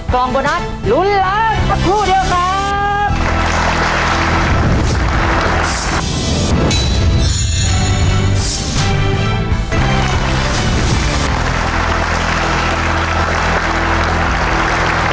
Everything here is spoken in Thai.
กลองโบนัสหลุนล้านครับคู่เดียวครับ